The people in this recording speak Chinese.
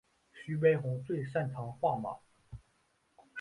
徐悲鸿最擅长画马。